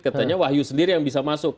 katanya wahyu sendiri yang bisa masuk